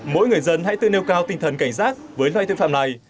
mỗi người dân hãy tự nêu cao tinh thần cảnh giác với loại thương phạm này